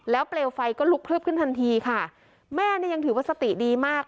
เปลวไฟก็ลุกพลึบขึ้นทันทีค่ะแม่นี่ยังถือว่าสติดีมาก